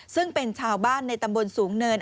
ซึ่งเป็นชาวบ้านในตำบลสูงเนิน